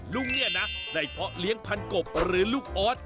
ลุงเนี่ยนะได้เพาะเลี้ยงพันกบหรือลูกออส